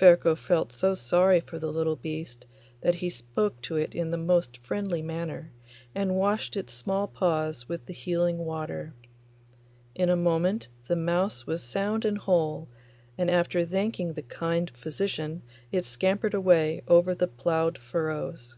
Ferko felt so sorry for the little beast that he spoke to it in the most friendly manner, and washed its small paws with the healing water. In a moment the mouse was sound and whole, and after thanking the kind physician it scampered away over the ploughed furrows.